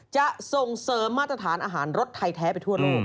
จะส่งเสริมมาตรฐานอาหารรสไทยแท้ไปทั่วโลก